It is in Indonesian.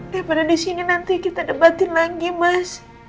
daripada disini nanti kita debatin lagi mas